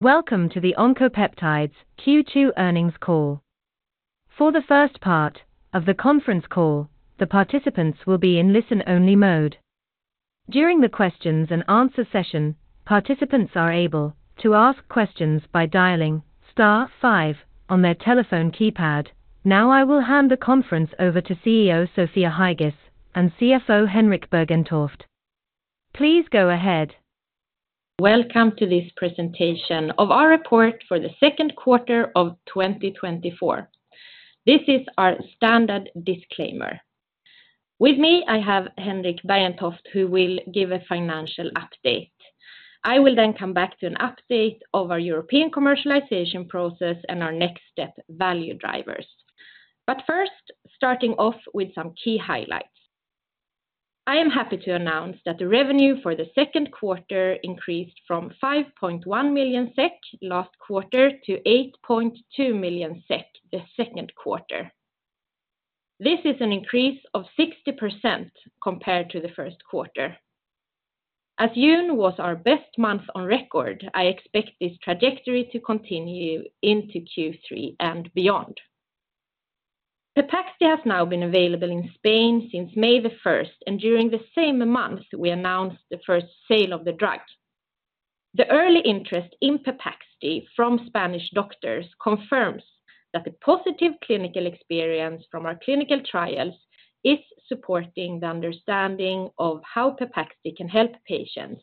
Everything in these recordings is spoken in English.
Welcome to the Oncopeptides Q2 earnings call. For the first part of the conference call, the participants will be in listen-only mode. During the Q&A, participants are able to ask questions by dialing star five on their telephone keypad. Now, I will hand the conference over to CEO Sofia Heigis and CFO Henrik Bergentoft. Please go ahead. Welcome to this presentation of our report for the Q2 of 2024. This is our standard disclaimer. With me, I have Henrik Bergentoft, who will give a financial update. I will then come back to an update of our European commercialization process and our next step value drivers. But first, starting off with some key highlights. I am happy to announce that the revenue for the Q2 increased from 5.1 million SEK last quarter to 8.2 million SEK the Q2. This is an increase of 60% compared to the Q1. As June was our best month on record, I expect this trajectory to continue into Q3 and beyond. Pepaxti has now been available in Spain since May 1st, and during the same month, we announced the first sale of the drug. The early interest in Pepaxti from Spanish doctors confirms that the positive clinical experience from our clinical trials is supporting the understanding of how Pepaxti can help patients,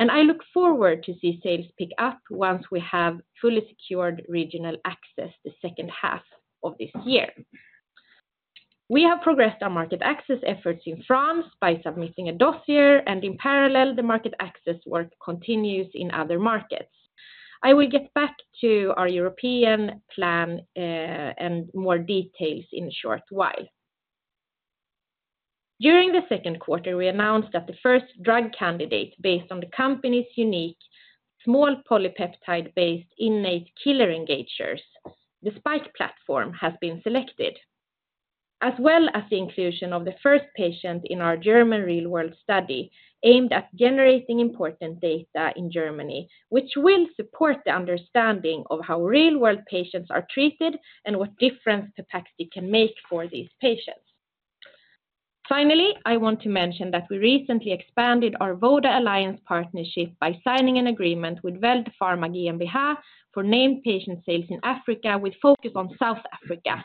and I look forward to see sales pick up once we have fully secured regional access the 2nd half of this year. We have progressed our market access efforts in France by submitting a dossier, and in parallel, the market access work continues in other markets. I will get back to our European plan, and more details in a short while. During the Q2, we announced that the first drug candidate, based on the company's unique small polypeptide-based innate killer engagers, the Spike platform, has been selected, as well as the inclusion of the first patient in our German real-world study, aimed at generating important data in Germany, which will support the understanding of how real-world patients are treated and what difference Pepaxti can make for these patients. Finally, I want to mention that we recently expanded our WODA partnership by signing an agreement with Vector Pharma for named patient sales in Africa, with focus on South Africa.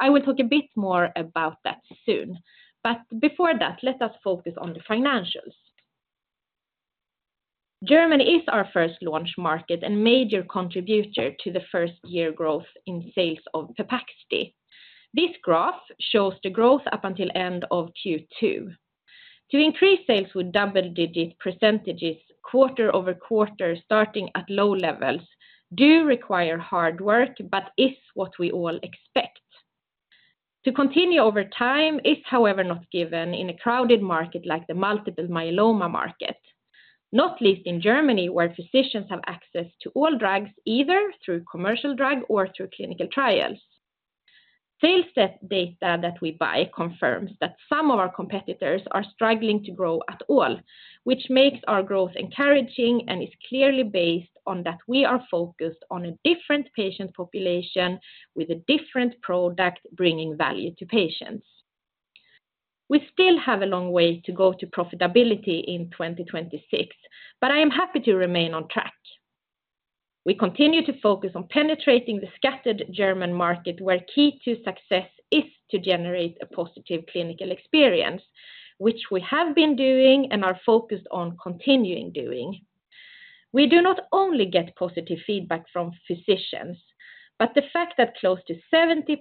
I will talk a bit more about that soon, but before that, let us focus on the financials. Germany is our first launch market and major contributor to the 1st year growth in sales of Pepaxti. This graph shows the growth up until end of Q2. To increase sales with double-digit percentages quarter-over-quarter, starting at low levels, do require hard work, but is what we all expect. To continue over time is, however, not given in a crowded market like the multiple myeloma market, not least in Germany, where physicians have access to all drugs, either through commercial drug or through clinical trials. Sales set data that we buy confirms that some of our competitors are struggling to grow at all, which makes our growth encouraging and is clearly based on that we are focused on a different patient population with a different product, bringing value to patients. We still have a long way to go to profitability in 2026, but I am happy to remain on track. We continue to focus on penetrating the scattered German market, where key to success is to generate a positive clinical experience, which we have been doing and are focused on continuing doing. We do not only get positive feedback from physicians, but the fact that close to 70%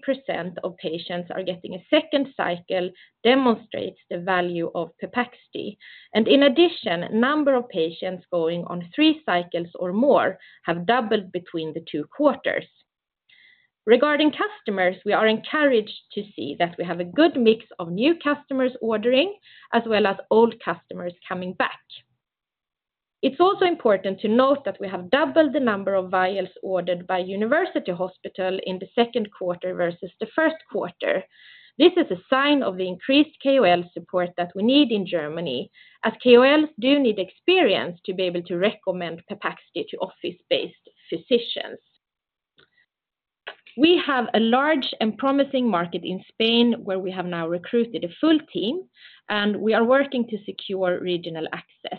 of patients are getting a second cycle demonstrates the value of Pepaxti. And in addition, number of patients going on three cycles or more have doubled between the two quarters. Regarding customers, we are encouraged to see that we have a good mix of new customers ordering, as well as old customers coming back. It's also important to note that we have doubled the number of vials ordered by university hospital in the Q2 versus the Q1. This is a sign of the increased KOL support that we need in Germany, as KOLs do need experience to be able to recommend Pepaxti to office-based physicians. We have a large and promising market in Spain, where we have now recruited a full team, and we are working to secure regional access.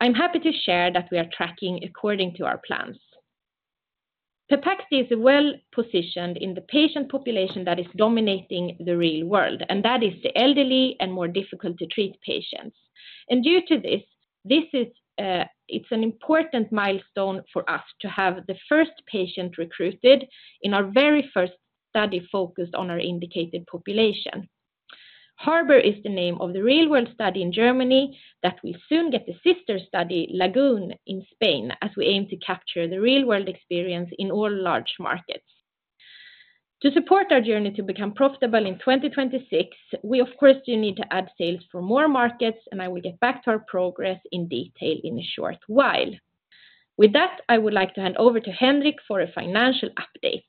I'm happy to share that we are tracking according to our plans. Pepaxti is well-positioned in the patient population that is dominating the real world, and that is the elderly and more difficult to treat patients. And due to this, this is, uh, it's an important milestone for us to have the first patient recruited in our very first study focused on our indicated population. HARBOUR is the name of the real-world study in Germany that will soon get a sister study, LAGOON, in Spain, as we aim to capture the real-world experience in all large markets. To support our journey to become profitable in 2026, we, of course, do need to add sales for more markets, and I will get back to our progress in detail in a short while. With that, I would like to hand over to Henrik for a financial update.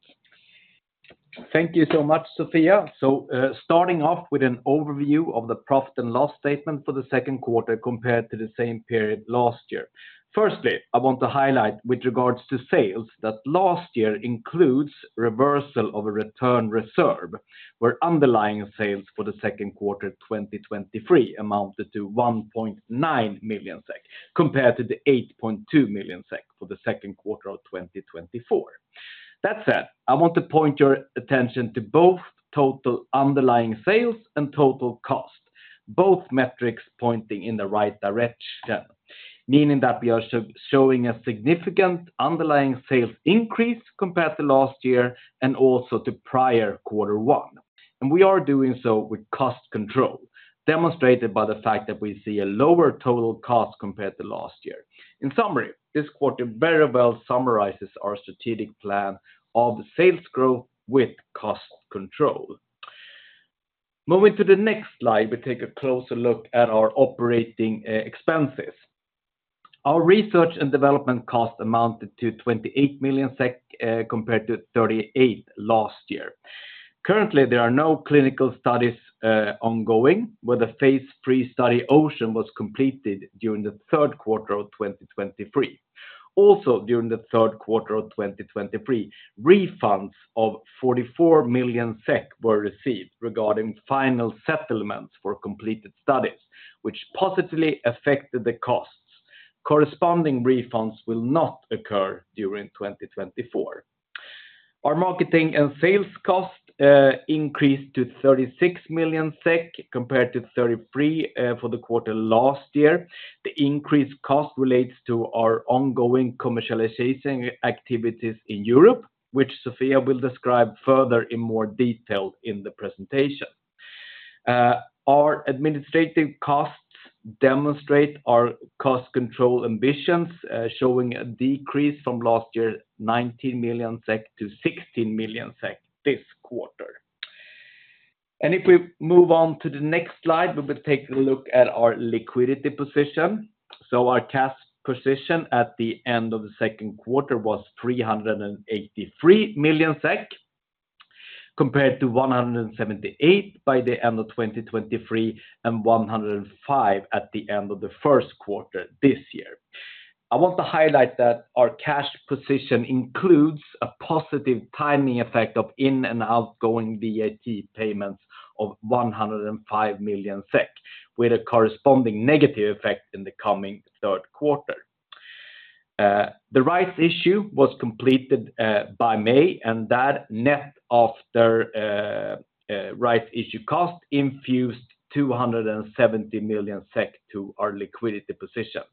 Thank you so much, Sofia. So, starting off with an overview of the profit and loss statement for the Q2 compared to the same period last year. Firstly, I want to highlight with regards to sales, that last year includes reversal of a return reserve, where underlying sales for the Q2 2023 amounted to 1.9 million SEK, compared to the 8.2 million SEK for the Q2 of 2024. That said, I want to point your attention to both total underlying sales and total cost, both metrics pointing in the right direction, meaning that we are showing a significant underlying sales increase compared to last year and also to prior quarter one. And we are doing so with cost control, demonstrated by the fact that we see a lower total cost compared to last year. In summary, this quarter very well summarizes our strategic plan of sales growth with cost control. Moving to the next slide, we take a closer look at our operating expenses. Our research and development cost amounted to 28 million SEK, compared to 38 million SEK last year. Currently, there are no clinical studies ongoing, where the phase III study OCEAN was completed during the Q3 of 2023. Also, during the Q3 of 2023, refunds of 44 million SEK were received regarding final settlements for completed studies, which positively affected the costs. Corresponding refunds will not occur during 2024. Our marketing and sales cost increased to 36 million SEK, compared to 33 million SEK for the quarter last year. The increased cost relates to our ongoing commercialization activities in Europe, which Sofia will describe further in more detail in the presentation. Our administrative costs demonstrate our cost control ambitions, showing a decrease from last year, 19 million SEK to 16 million SEK this quarter. If we move on to the next slide, we will take a look at our liquidity position. Our cash position at the end of the Q2 was 383 million SEK, compared to 178 million SEK by the end of 2023, and 105 million SEK at the end of the Q1 this year. I want to highlight that our cash position includes a positive timing effect of in and outgoing VAT payments of 105 million SEK, with a corresponding negative effect in the coming Q3. The rights issue was completed by May, and that net after rights issue cost infused 270 million SEK to our liquidity position.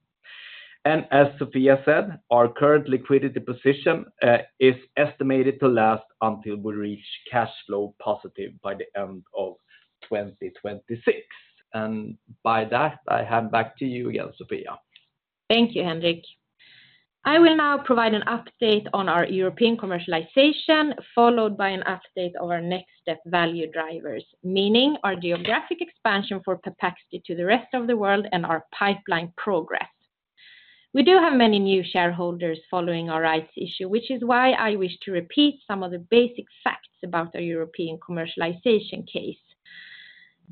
And as Sofia said, our current liquidity position is estimated to last until we reach cash flow positive by the end of 2026. And by that, I hand back to you again, Sofia. Thank you, Henrik. I will now provide an update on our European commercialization, followed by an update of our next step value drivers, meaning our geographic expansion for Pepaxti to the rest of the world and our pipeline progress. We do have many new shareholders following our rights issue, which is why I wish to repeat some of the basic facts about our European commercialization case.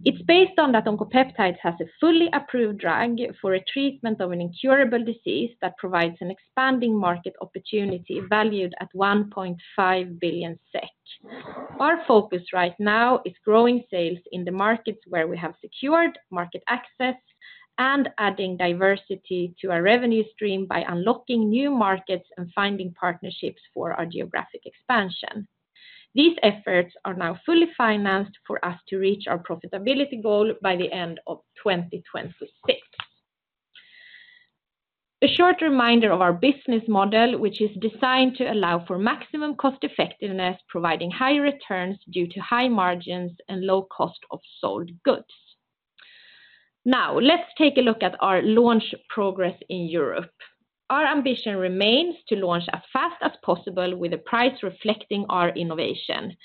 It's based on that Oncopeptides has a fully approved drug for a treatment of an incurable disease that provides an expanding market opportunity valued at 1.5 billion SEK. Our focus right now is growing sales in the markets where we have secured market access, and adding diversity to our revenue stream by unlocking new markets and finding partnerships for our geographic expansion. These efforts are now fully financed for us to reach our profitability goal by the end of 2026. A short reminder of our business model, which is designed to allow for maximum cost effectiveness, providing high returns due to high margins and low cost of sold goods. Now, let's take a look at our launch progress in Europe. Our ambition remains to launch as fast as possible with a price reflecting our innovation,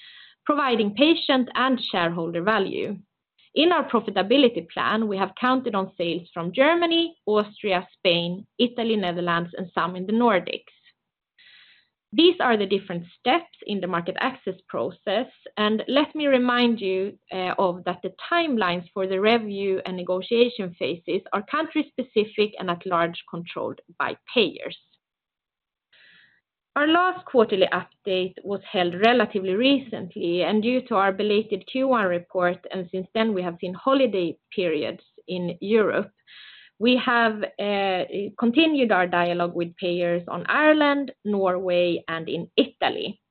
providing patient and shareholder value. In our profitability plan, we have counted on sales from Germany, Austria, Spain, Italy, Netherlands, and some in the Nordics. These are the different steps in the market access process, and let me remind you of that the timelines for the review and negotiation phases are country-specific and at large, controlled by payers. Our last quarterly update was held relatively recently, and due to our belated Q1 report, and since then, we have seen holiday periods in Europe. We have continued our dialogue with payers on Ireland, Norway, and in Italy.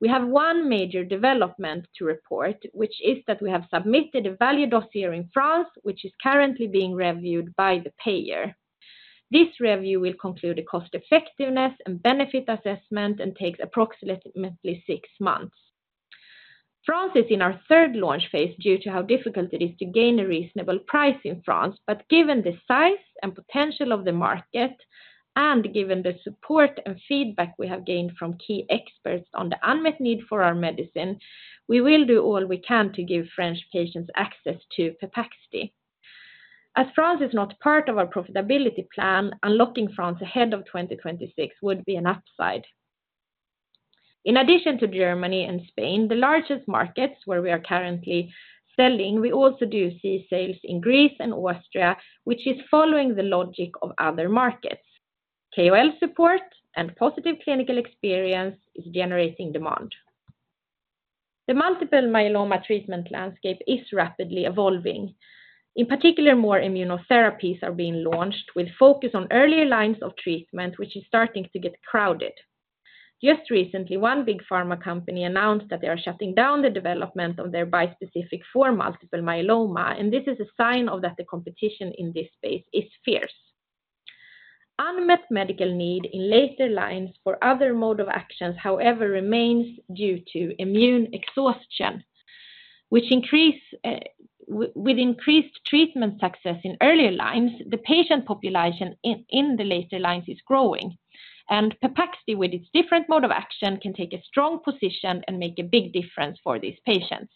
We have one major development to report, which is that we have submitted a value dossier in France, which is currently being reviewed by the payer. This review will conclude a cost effectiveness and benefit assessment and takes approximately six months. France is in our third launch phase due to how difficult it is to gain a reasonable price in France, but given the size and potential of the market, and given the support and feedback we have gained from key experts on the unmet need for our medicine, we will do all we can to give French patients access to Pepaxti. As France is not part of our profitability plan, unlocking France ahead of 2026 would be an upside. In addition to Germany and Spain, the largest markets where we are currently selling, we also do see sales in Greece and Austria, which is following the logic of other markets. KOL support and positive clinical experience is generating demand. The multiple myeloma treatment landscape is rapidly evolving. In particular, more immunotherapies are being launched, with focus on early lines of treatment, which is starting to get crowded. Just recently, one big pharma company announced that they are shutting down the development of their bispecific for multiple myeloma, and this is a sign of that the competition in this space is fierce. Unmet medical need in later lines for other mode of actions, however, remains due to immune exhaustion, which increase with increased treatment success in earlier lines, the patient population in the later lines is growing, and Pepaxti, with its different mode of action, can take a strong position and make a big difference for these patients.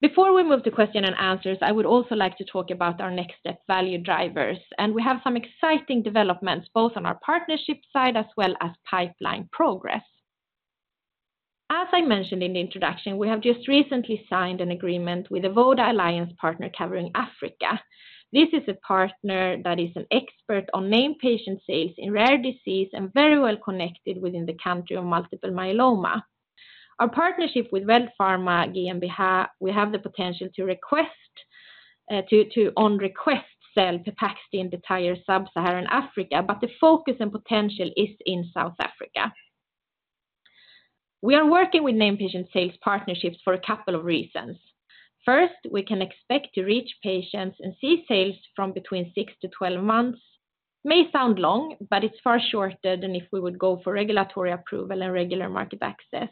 Before we move to Q&A, I would also like to talk about our next step value drivers, and we have some exciting developments, both on our partnership side as well as pipeline progress. As I mentioned in the introduction, we have just recently signed an agreement with a WODA partner covering Africa. This is a partner that is an expert on named patient sales in rare disease and very well connected within the community of multiple myeloma. Our partnership with Vector Pharma GmbH, we have the potential to request to on request sell Pepaxti in the entire sub-Saharan Africa, but the focus and potential is in South Africa. We are working with named patient sales partnerships for a couple of reasons. First, we can expect to reach patients and see sales from between 6-12 months. May sound long, but it's far shorter than if we would go for regulatory approval and regular market access.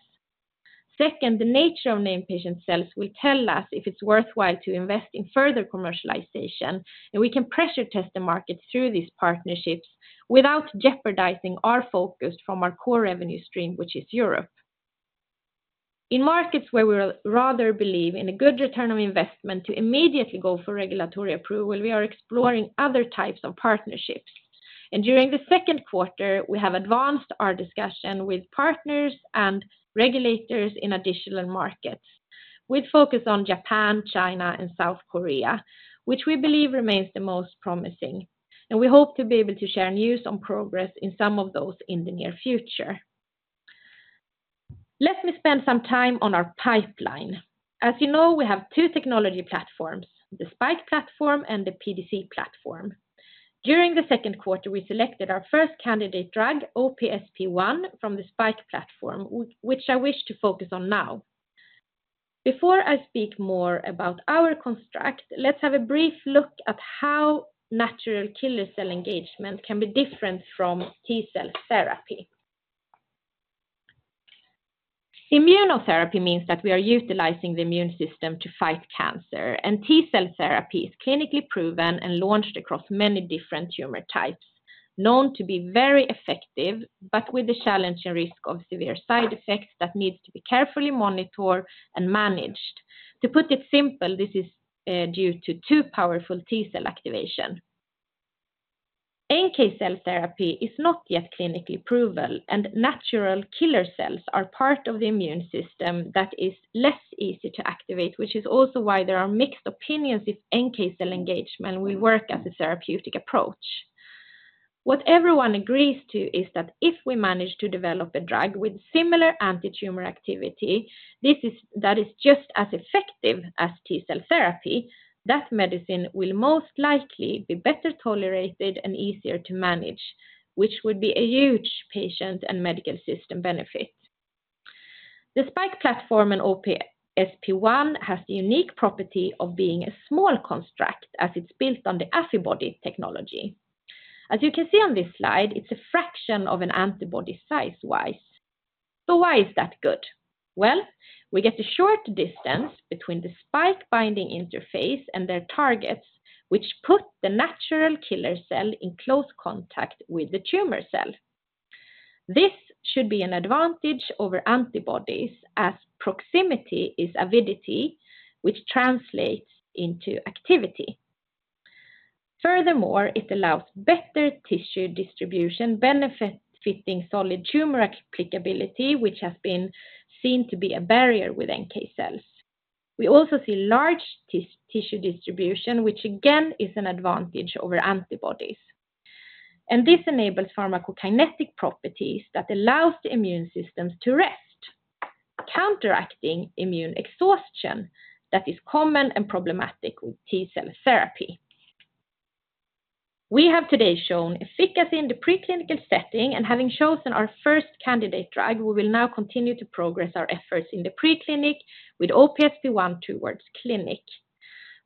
Second, the nature of named patient sales will tell us if it's worthwhile to invest in further commercialization, and we can pressure test the market through these partnerships without jeopardizing our focus from our core revenue stream, which is Europe. In markets where we rather believe in a good return of investment to immediately go for regulatory approval, we are exploring other types of partnerships. During the Q2, we have advanced our discussion with partners and regulators in additional markets. We'd focus on Japan, China, and South Korea, which we believe remains the most promising, and we hope to be able to share news on progress in some of those in the near future. Let me spend some time on our pipeline. As you know, we have two technology platforms, the SPiKE platform and the PDC platform. During the Q2, we selected our first candidate drug, OPSP1, from the SPiKE platform, which I wish to focus on now. Before I speak more about our construct, let's have a brief look at how natural killer cell engagement can be different from T-cell therapy. Immunotherapy means that we are utilizing the immune system to fight cancer, and T-cell therapy is clinically proven and launched across many different tumor types, known to be very effective, but with the challenge and risk of severe side effects that needs to be carefully monitored and managed. To put it simple, this is due to two powerful T-cell activation. NK cell therapy is not yet clinically proven, and natural killer cells are part of the immune system that is less easy to activate, which is also why there are mixed opinions if NK cell engagement will work as a therapeutic approach. What everyone agrees to is that if we manage to develop a drug with similar anti-tumor activity, that is just as effective as T-cell therapy, that medicine will most likely be better tolerated and easier to manage, which would be a huge patient and medical system benefit. The SPiKE platform and OPSP-1 has the unique property of being a small construct as it's built on the Affibody technology. As you can see on this slide, it's a fraction of an antibody size-wise. So why is that good? Well, we get a short distance between the SPiKE-binding interface and their targets, which put the natural killer cell in close contact with the tumor cell. This should be an advantage over antibodies, as proximity is avidity, which translates into activity. Furthermore, it allows better tissue distribution, benefit fitting solid tumor applicability, which has been seen to be a barrier with NK cells. We also see large tissue distribution, which again is an advantage over antibodies. And this enables pharmacokinetic properties that allows the immune systems to rest, counteracting immune exhaustion that is common and problematic with T-cell therapy. We have today shown efficacy in the preclinical setting, and having chosen our first candidate drug, we will now continue to progress our efforts in the preclinical with OPSP-1 towards clinic.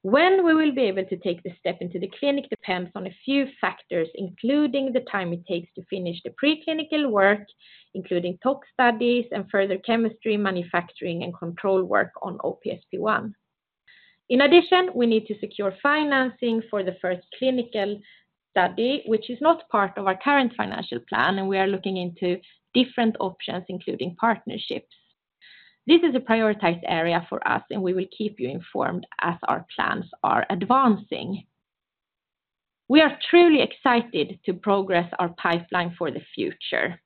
When we will be able to take the step into the clinic depends on a few factors, including the time it takes to finish the preclinical work, including tox studies and further chemistry, manufacturing and control work on OPSP-1. In addition, we need to secure financing for the first clinical study, which is not part of our current financial plan, and we are looking into different options, including partnerships. This is a prioritized area for us, and we will keep you informed as our plans are advancing. We are truly excited to progress our pipeline for the future.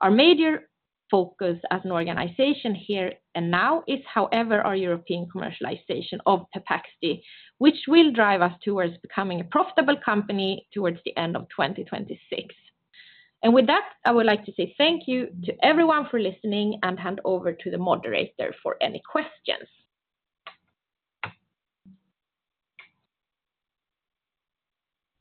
Our major focus as an organization here and now is, however, our European commercialization of Pepaxti, which will drive us towards becoming a profitable company towards the end of 2026. With that, I would like to say thank you to everyone for listening and hand over to the moderator for any questions.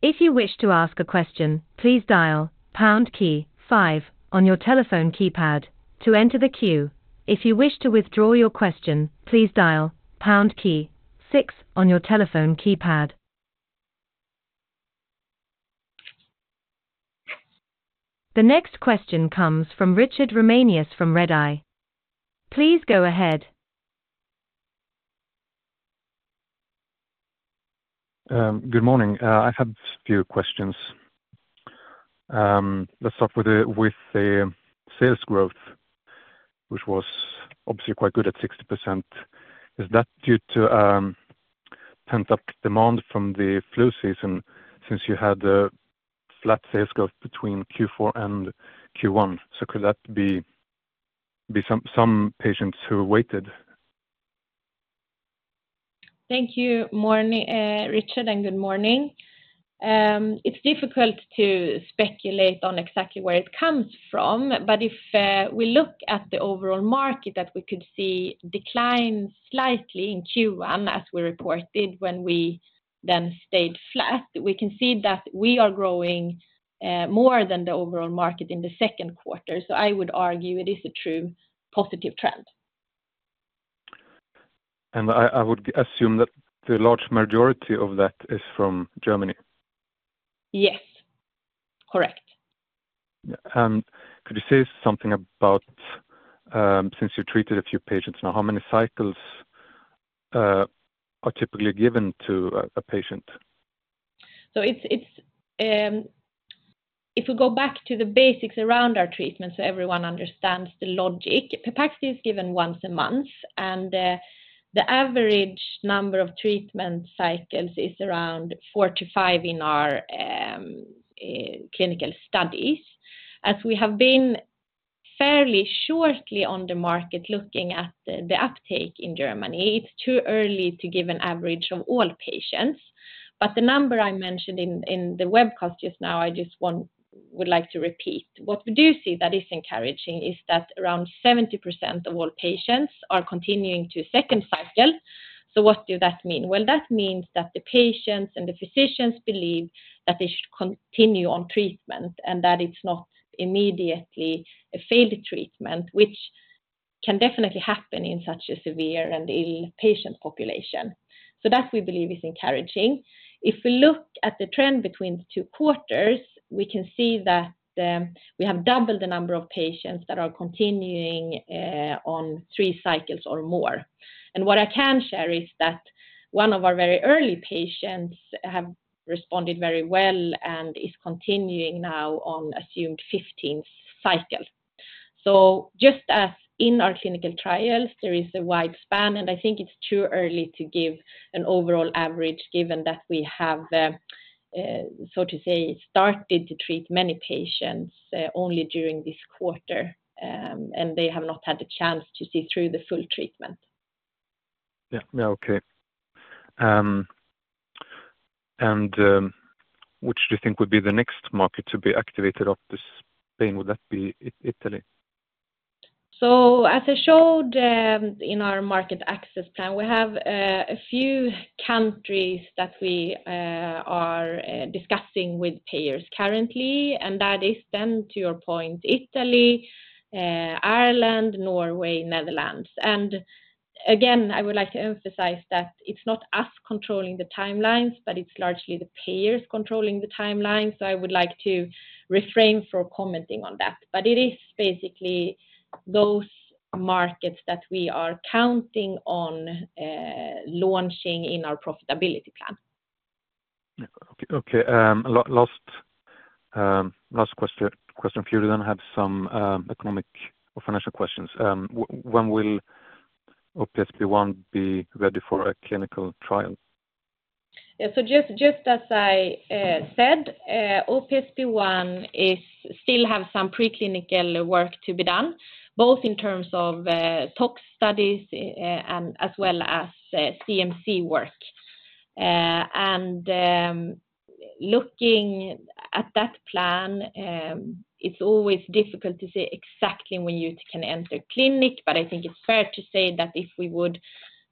If you wish to ask a question, please dial pound key five on your telephone keypad to enter the queue. If you wish to withdraw your question, please dial pound key six on your telephone keypad. The next question comes from Richard Ramanius from Redeye. Please go ahead. Good morning. I had a few questions. Let's start with the sales growth, which was obviously quite good at 60%. Is that due to pent-up demand from the flu season since you had a flat sales growth between Q4 and Q1? So could that be some patients who waited? Thank you. Good morning, Richard, and good morning. It's difficult to speculate on exactly where it comes from, but if we look at the overall market that we could see decline slightly in Q1, as we reported when we then stayed flat, we can see that we are growing more than the overall market in the Q2. So I would argue it is a true positive trend. I would assume that the large majority of that is from Germany. Yes. Correct. Yeah. And could you say something about, since you treated a few patients, now, how many cycles are typically given to a patient? So it's if we go back to the basics around our treatment, so everyone understands the logic, Pepaxti is given once a month, and the average number of treatment cycles is around 4-5 in our clinical studies. As we have been fairly shortly on the market, looking at the uptake in Germany, it's too early to give an average of all patients, but the number I mentioned in the webcast just now, would like to repeat. What we do see that is encouraging is that around 70% of all patients are continuing to second cycle. So what do that mean? Well, that means that the patients and the physicians believe that they should continue on treatment, and that it's not immediately a failed treatment, which can definitely happen in such a severe and ill patient population. So that, we believe, is encouraging. If we look at the trend between the two quarters, we can see that, we have doubled the number of patients that are continuing on three cycles or more. And what I can share is that one of our very early patients have responded very well and is continuing now on assumed 15th cycle. So just as in our clinical trials, there is a wide span, and I think it's too early to give an overall average, given that we have, so to say, started to treat many patients only during this quarter, and they have not had the chance to see through the full treatment. Yeah. Okay. And which do you think would be the next market to be activated off this Spain, would that be Italy? So as I showed, in our market access plan, we have a few countries that we are discussing with payers currently, and that is then to your point, Italy, Ireland, Norway, Netherlands. And again, I would like to emphasize that it's not us controlling the timelines, but it's largely the payers controlling the timelines. So I would like to refrain for commenting on that. But it is basically those markets that we are counting on, launching in our profitability plan. Yeah. Okay, last question for you, then I have some economic or financial questions. When will OPSP1 be ready for a clinical trial? Yeah. So just, just as I said, OPSP1 is still have some preclinical work to be done, both in terms of tox studies, and as well as CMC work. And looking at that plan, it's always difficult to say exactly when you can enter clinic, but I think it's fair to say that if we would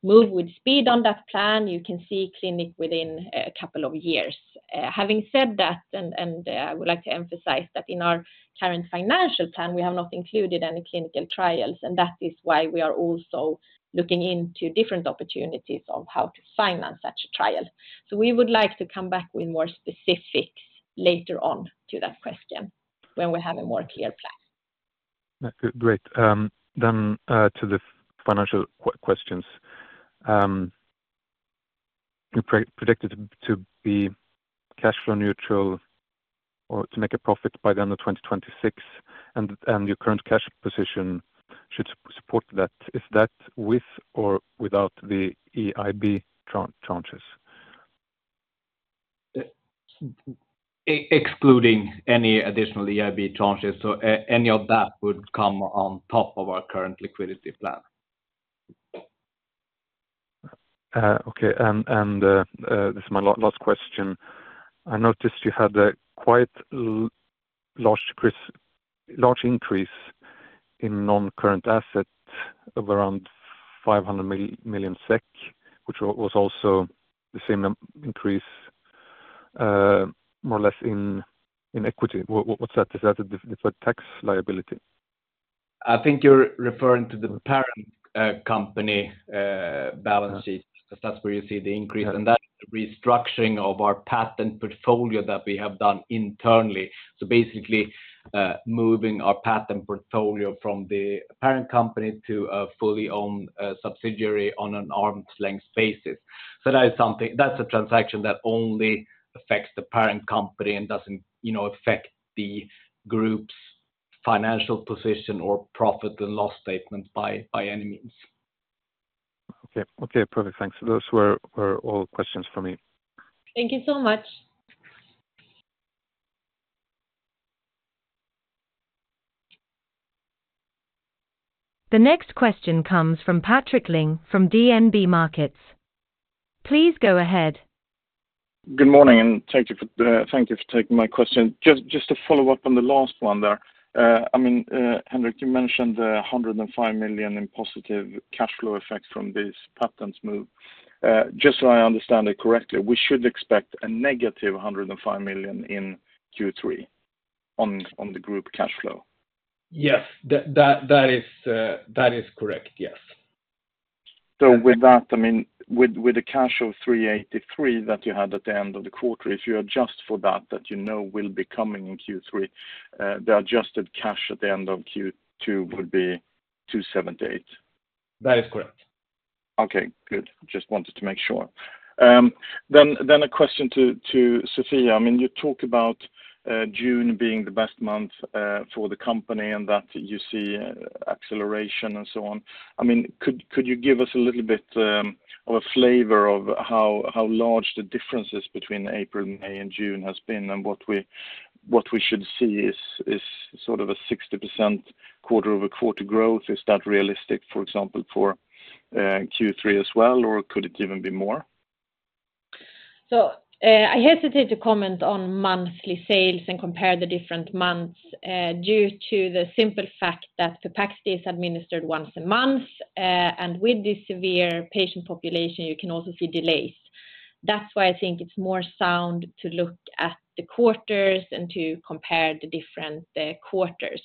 move with speed on that plan, you can see clinic within a couple of years. Having said that, and I would like to emphasize that in our current financial plan, we have not included any clinical trials, and that is why we are also looking into different opportunities of how to finance such a trial. So we would like to come back with more specifics later on to that question, when we have a more clear plan. Good, great. Then, to the financial questions, you predicted to be cash flow neutral or to make a profit by the end of 2026, and your current cash position should support that. Is that with or without the EIB transaction charges? Excluding any additional EIB charges. Any of that would come on top of our current liquidity plan. Okay, and this is my last question. I noticed you had a quite large increase in non-current assets of around 500 million SEK, which was also the same increase, more or less, in equity. What's that? Is that a different tax liability? I think you're referring to the parent company balance sheet. Uh. 'Cause that's where you see the increase. Yeah. That's the restructuring of our patent portfolio that we have done internally. So basically, moving our patent portfolio from the parent company to a fully owned subsidiary on an arm's length basis. So that is something, that's a transaction that only affects the parent company and doesn't, you know, affect the group's financial position or profit and loss statement by any means. Okay. Perfect. Thanks. Those were all questions for me. Thank you so much. The next question comes from Patrik Ling from DNB Markets. Please go ahead. Good morning, and thank you for taking my question. Just to follow up on the last one there. I mean, Henrik, you mentioned the 105 million in positive cash flow effects from this payments move. Just so I understand it correctly, we should expect a negative 105 million in Q3 on the group cash flow? Yes, that is correct. Yes. So with that, I mean, with a cash of 383 that you had at the end of the quarter, if you adjust for that, you know, will be coming in Q3, the adjusted cash at the end of Q2 would be 278? That is correct. Okay, good. Just wanted to make sure. Then a question to Sofia. I mean, you talk about June being the best month for the company and that you see acceleration and so on. I mean, could you give us a little bit of a flavor of how large the differences between April, May, and June has been, and what we should see is sort of a 60% quarter-over-quarter growth. Is that realistic, for example, for Q3 as well, or could it even be more? So, I hesitate to comment on monthly sales and compare the different months, due to the simple fact that the capacity is administered once a month, and with the severe patient population, you can also see delays. That's why I think it's more sound to look at the quarters and to compare the different quarters.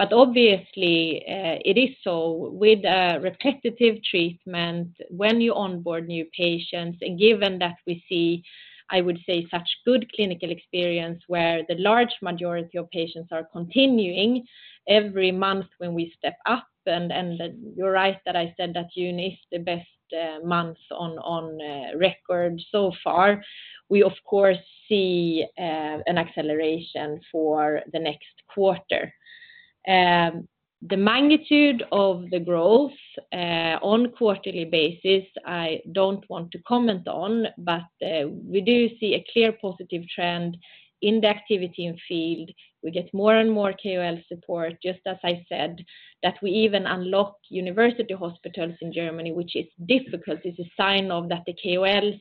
But obviously, it is so with a repetitive treatment, when you onboard new patients, and given that we see, I would say, such good clinical experience, where the large majority of patients are continuing every month when we step up, and you're right that I said that June is the best month on record so far. We of course see an acceleration for the next quarter. The magnitude of the growth, on quarterly basis, I don't want to comment on, but, we do see a clear positive trend in the activity in field. We get more and more KOL support, just as I said, that we even unlock university hospitals in Germany, which is difficult. It's a sign of that the KOLs,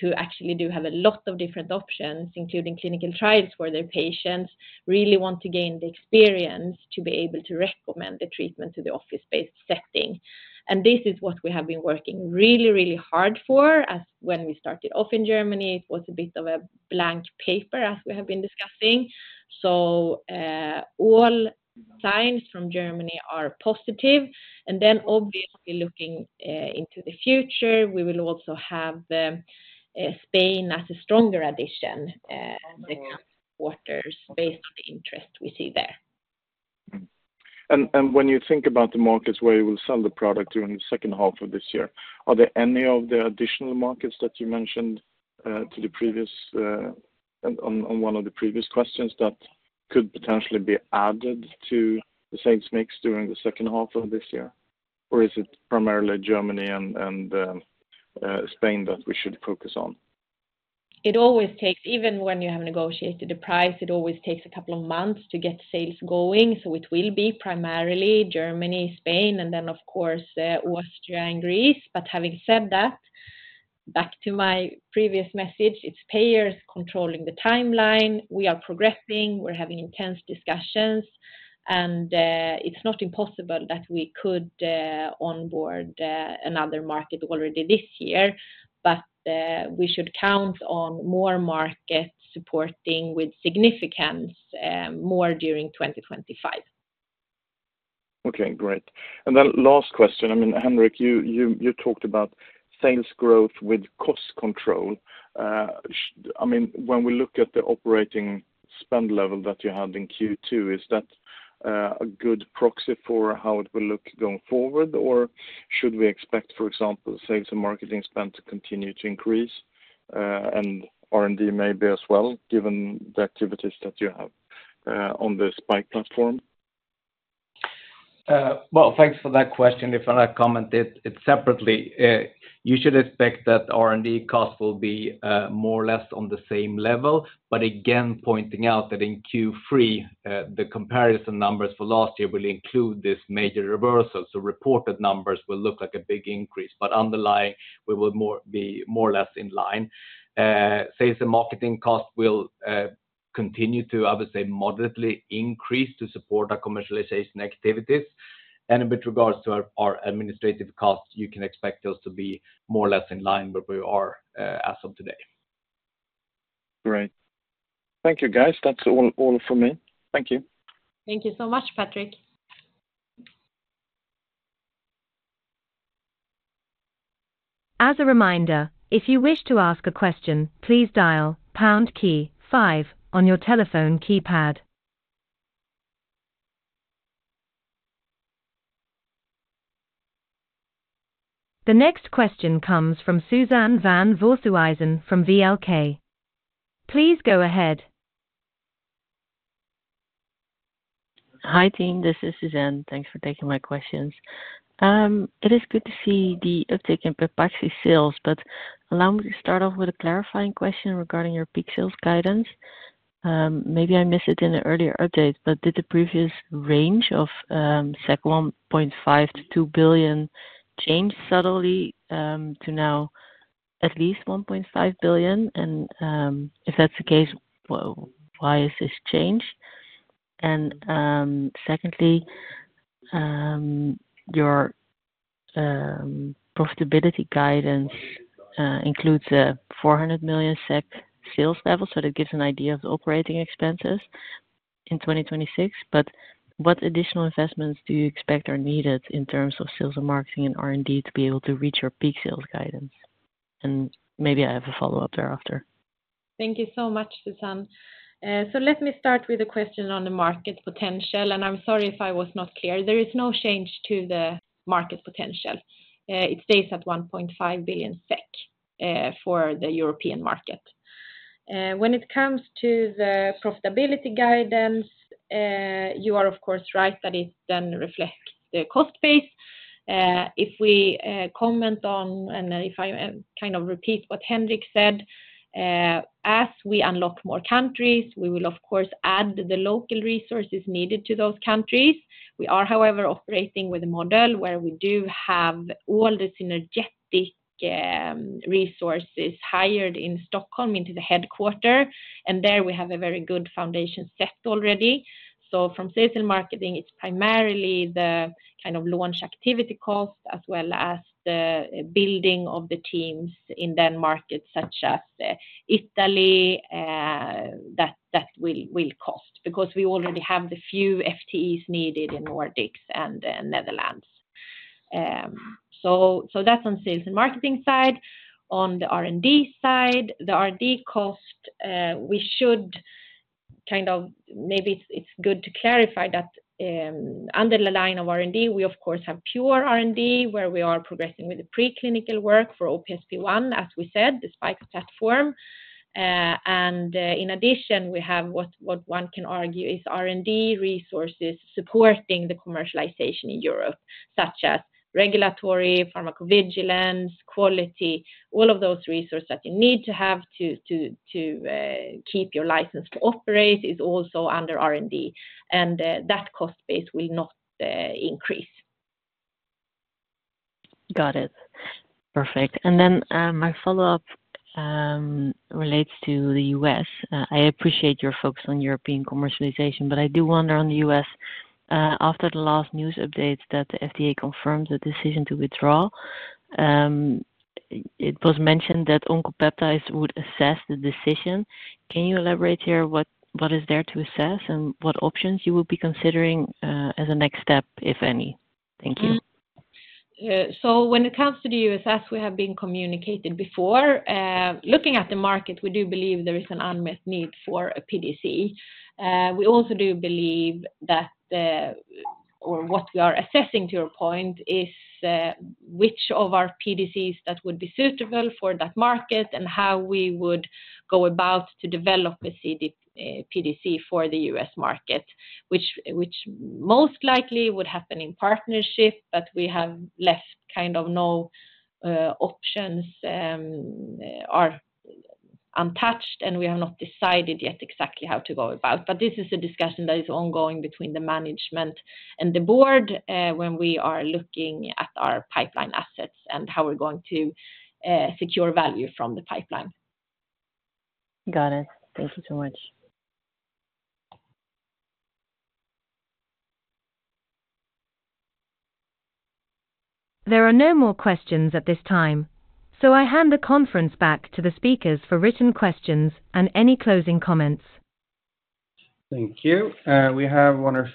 who actually do have a lot of different options, including clinical trials for their patients, really want to gain the experience to be able to recommend the treatment to the office-based setting. And this is what we have been working really, really hard for. As when we started off in Germany, it was a bit of a blank paper, as we have been discussing. So, all signs from Germany are positive. And then, obviously, looking into the future, we will also have Spain as a stronger addition in the coming quarters based on the interest we see there. And when you think about the markets where you will sell the product during the 2nd half of this year, are there any of the additional markets that you mentioned to the previous on one of the previous questions that could potentially be added to the sales mix during the 2nd half of this year? Or is it primarily Germany and Spain that we should focus on? It always takes, even when you have negotiated the price, it always takes a couple of months to get sales going. So it will be primarily Germany, Spain, and then, of course, Austria and Greece. But having said that, back to my previous message, it's payers controlling the timeline. We are progressing. We're having intense discussions. And, it's not impossible that we could, onboard, another market already this year, but, we should count on more markets supporting with significance, more during 2025. Okay, great. And then last question. I mean, Henrik, you talked about sales growth with cost control. I mean, when we look at the operating spend level that you had in Q2, is that a good proxy for how it will look going forward? Or should we expect, for example, sales and marketing spend to continue to increase, and R&D maybe as well, given the activities that you have on the SPiKE platform? Well, thanks for that question. If I comment it, it separately, you should expect that R&D cost will be, more or less on the same level, but again, pointing out that in Q3, the comparison numbers for last year will include this major reversal. So reported numbers will look like a big increase, but underlying, we will more- be more or less in line. Sales and marketing costs will, continue to, I would say, moderately increase to support our commercialization activities. And with regards to our, our administrative costs, you can expect those to be more or less in line where we are, as of today. Great. Thank you, guys. That's all, all from me. Thank you. Thank you so much, Patrik. As a reminder, if you wish to ask a question, please dial pound key five on your telephone keypad. The next question comes from Suzanne van Voorthuizen from VLK. Please go ahead. Hi, team. This is Suzanne. Thanks for taking my questions. It is good to see the uptick in Pepaxti sales, but allow me to start off with a clarifying question regarding your peak sales guidance. Maybe I missed it in the earlier update, but did the previous range of 1.5 billion-2 billion change subtly to now at least 1.5 billion? And, if that's the case, well, why is this changed? And, secondly, your profitability guidance includes a 400 million SEK sales level, so that gives an idea of the operating expenses in 2026. But what additional investments do you expect are needed in terms of sales and marketing and R&D to be able to reach your peak sales guidance? And maybe I have a follow-up thereafter. Thank you so much, Suzanne. So let me start with a question on the market potential, and I'm sorry if I was not clear. There is no change to the market potential. It stays at 1.5 billion SEK for the European market. When it comes to the profitability guidance, you are, of course, right, that it then reflects the cost base. If we comment on, and if I kind of repeat what Henrik said, as we unlock more countries, we will of course add the local resources needed to those countries. We are, however, operating with a model where we do have all the synergetic resources hired in Stockholm into the headquarters, and there we have a very good foundation set already. So from sales and marketing, it's primarily the kind of launch activity cost, as well as the building of the teams in the markets, such as Italy, that will cost. Because we already have the few FTEs needed in Nordics and Netherlands. So that's on sales and marketing side. On the R&D side, the R&D cost, we should kind of maybe it's good to clarify that, under the line of R&D, we of course have pure R&D, where we are progressing with the preclinical work for OPSP1, as we said, the SPiKE platform. And in addition, we have what one can argue is R&D resources supporting the commercialization in Europe, such as regulatory, pharmacovigilance, quality. All of those resources that you need to have to keep your license to operate is also under R&D, and that cost base will not increase. Got it. Perfect. And then, my follow-up relates to the U.S. I appreciate your focus on European commercialization, but I do wonder on the U.S., after the last news updates that the FDA confirmed the decision to withdraw, it was mentioned that Oncopeptides would assess the decision. Can you elaborate here, what, what is there to assess and what options you will be considering, as a next step, if any? Thank you. So when it comes to the U.S., as we have been communicated before, looking at the market, we do believe there is an unmet need for a PDC. We also do believe that, or what we are assessing, to your point, is which of our PDCs that would be suitable for that market and how we would go about to develop a PDC for the U.S. market, which, which most likely would happen in partnership, but we have left kind of no options are untouched, and we have not decided yet exactly how to go about. But this is a discussion that is ongoing between the management and the board when we are looking at our pipeline assets and how we're going to secure value from the pipeline. Got it. Thank you so much. There are no more questions at this time, so I hand the conference back to the speakers for written questions and any closing comments. Thank you. We have one or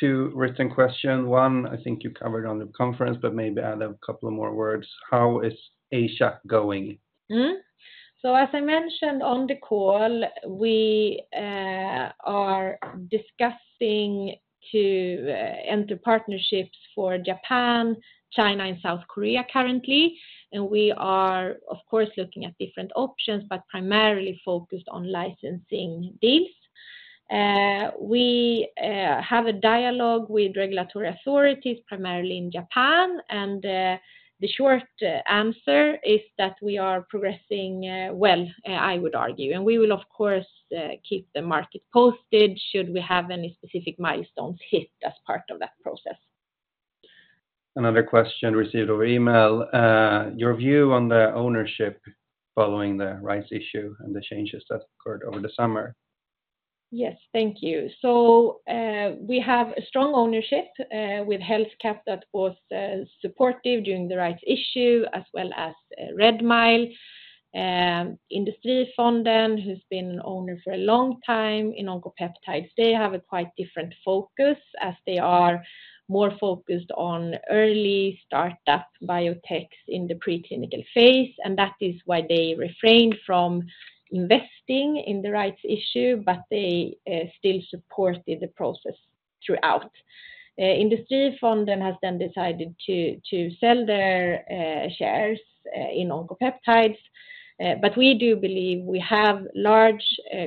two written question. One, I think you covered on the conference, but maybe add a couple of more words. How is Asia going? So as I mentioned on the call, we are discussing to enter partnerships for Japan, China, and South Korea currently. And we are, of course, looking at different options, but primarily focused on licensing deals. We have a dialogue with regulatory authorities, primarily in Japan, and the short answer is that we are progressing well, I would argue. And we will, of course, keep the market posted should we have any specific milestones hit as part of that process. Another question received over email. Your view on the ownership following the rights issue and the changes that occurred over the summer? Yes. Thank you. So, we have a strong ownership with HealthCap that was supportive during the rights issue, as well as Redmile. Industrifoden, who's been owner for a long time in Oncopeptides, they have a quite different focus, as they are more focused on early startup biotechs in the preclinical phase, and that is why they refrained from investing in the rights issue, but they still supported the process throughout. Industrifonden has then decided to sell their shares in Oncopeptides. But we do believe we have large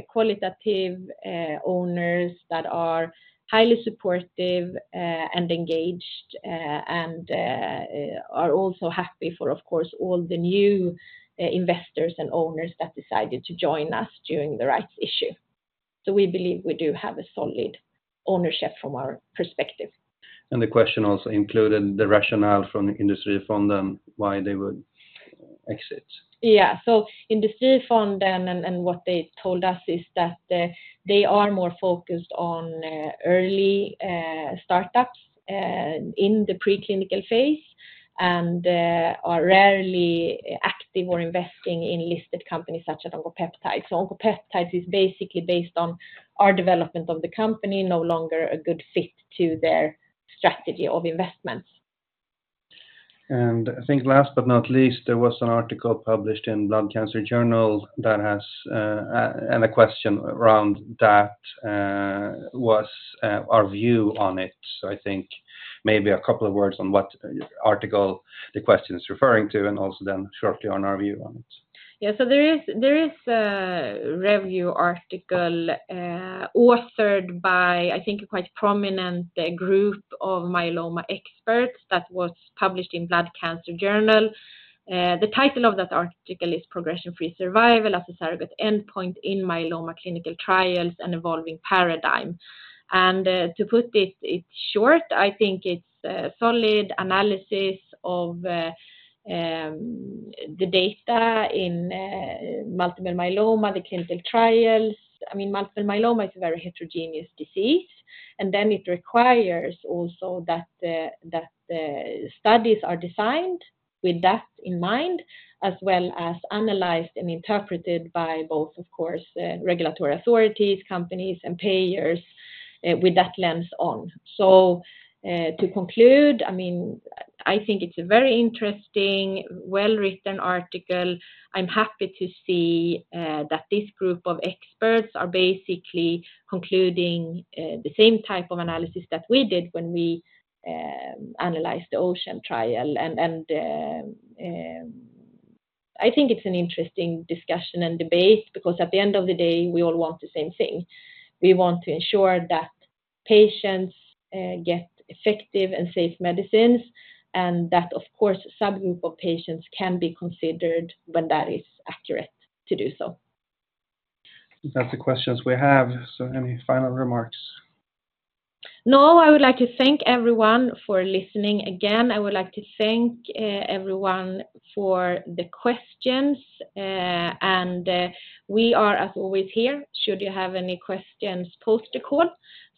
qualitative owners that are highly supportive and engaged and are also happy for, of course, all the new investors and owners that decided to join us during the rights issue. So we believe we do have a solid ownership from our perspective. The question also included the rationale from Industrifonden, why they would exit? Yeah. So Industrifonden and what they told us is that they are more focused on early startups in the preclinical phase, and are rarely active or investing in listed companies such as Oncopeptides. So Oncopeptides is basically based on our development of the company, no longer a good fit to their strategy of investments. And I think last but not least, there was an article published in Blood Cancer Journal that has, and a question around that, was our view on it. I think maybe a couple of words on what article the question is referring to, and also then shortly on our view on it. Yeah. So there is a review article authored by, I think, a quite prominent group of myeloma experts that was published in Blood Cancer Journal. The title of that article is Progression-Free Survival as a surrogate endpoint in myeloma clinical trials and evolving paradigm. And to put it short, I think it's a solid analysis of the data in multiple myeloma, the clinical trials. I mean, multiple myeloma is a very heterogeneous disease, and then it requires also that the studies are designed with that in mind, as well as analyzed and interpreted by both, of course, regulatory authorities, companies, and payers with that lens on. So to conclude, I mean, I think it's a very interesting, well-written article. I'm happy to see that this group of experts are basically concluding the same type of analysis that we did when we analyzed the OCEAN trial. And, I think it's an interesting discussion and debate, because at the end of the day, we all want the same thing. We want to ensure that patients get effective and safe medicines, and that, of course, subgroup of patients can be considered when that is accurate to do so. That's the questions we have. Any final remarks? No. I would like to thank everyone for listening again. I would like to thank everyone for the questions, and we are, as always, here, should you have any questions post the call.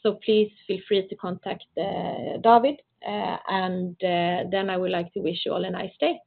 So please feel free to contact David, and then I would like to wish you all a nice day.